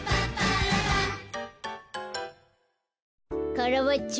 カラバッチョ